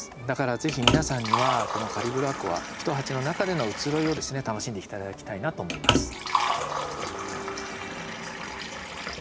だから是非皆さんにはこのカリブラコア１鉢の中での移ろいをですね楽しんで頂きたいなと思います。